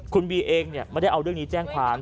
คุณบีเองเนี่ยไม่ได้เอาเรื่องนี้แจ้งขัน